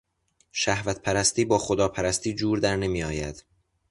شهوتپرستی با خداپرستی جور در نمیآید.